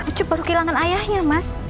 ucup baru kehilangan ayahnya mas